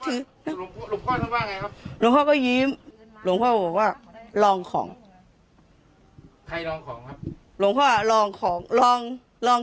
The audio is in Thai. ถือหลวงพ่อก็ยิ้มหลวงพ่อบอกว่าลองของลองของลองลอง